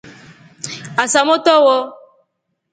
Asa motro wo.